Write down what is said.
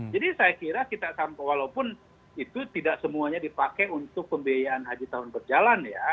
jadi saya kira kita walaupun itu tidak semuanya dipakai untuk pembiayaan haji tahun berjalan ya